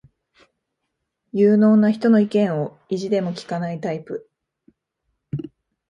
有能な人の意見を意地でも聞かないタイプ